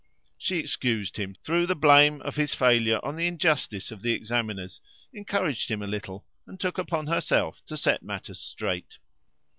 She excused him, threw the blame of his failure on the injustice of the examiners, encouraged him a little, and took upon herself to set matters straight.